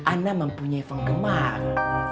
ana mempunyai fung kemar